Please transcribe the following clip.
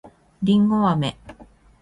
りんごあめ